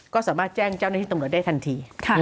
ก็สามารถแจ้งเจ้าหน้าที่ตำรวจได้ทันที